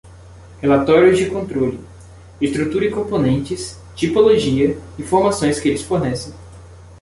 Relatórios de controle: estrutura e componentes, tipologia, informações que eles fornecem.